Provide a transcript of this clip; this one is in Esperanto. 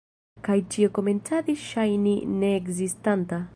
Kaj ĉio komencadis ŝajni neekzistanta.